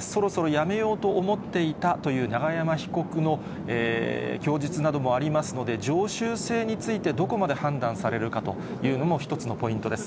そろそろやめようと思っていたという永山被告の供述などもありますので、常習性についてどこまで判断されるかというのも一つのポイントです。